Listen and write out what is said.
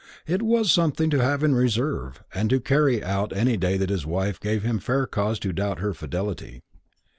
It was something to have in reserve, and to carry out any day that his wife gave him fair cause to doubt her fidelity.